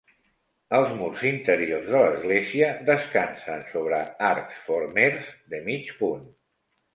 Els murs interiors de l'església descansen sobre arcs formers de mig punt.